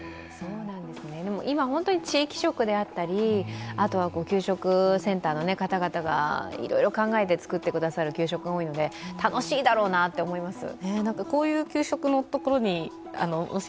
今、本当に地域色であったり給食センターの方々がいろいろ考えて作ってくださる給食が多いんで楽しいだろうなと思います。